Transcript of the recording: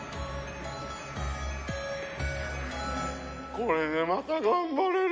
これでまた頑張れる。